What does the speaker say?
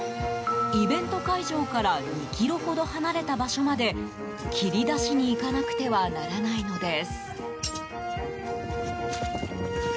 イベント会場から２ｋｍほど離れた場所まで切り出しに行かなくてはならないのです。